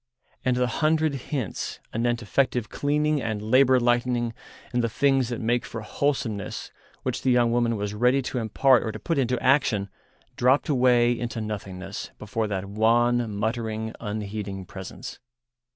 And the hundred hints anent effective cleaning and labour lightening and the things that make for wholesomeness which the young woman was ready to impart or to put into action dropped away into nothingness before that wan, muttering, unheeding presence.